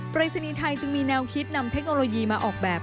ปริศนีย์ไทยจึงมีแนวคิดนำเทคโนโลยีมาออกแบบ